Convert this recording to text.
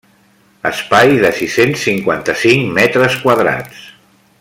Espai de sis-cents cinquanta-cinc metres quadrats.